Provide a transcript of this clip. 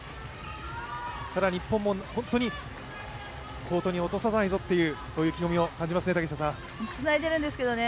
ただ日本も本当に、コートに落とさないぞという意気込みを感じますね。